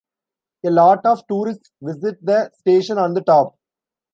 A lot of tourists visit the station on the top.